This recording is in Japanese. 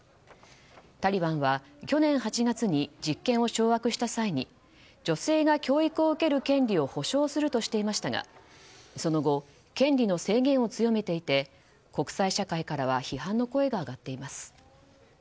タリバンは去年８月に実権を掌握した際に女性が教育を受ける権利を保障するとしていましたがその後、権利の制限を強めていて国際社会からは批判の声が上がっています。